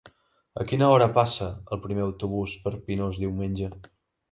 A quina hora passa el primer autobús per Pinós diumenge?